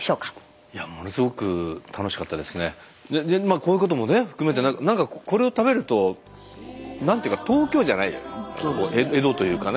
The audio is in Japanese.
こういうこともね含めてなんかこれを食べるとなんていうか東京じゃないじゃないですか江戸というかね。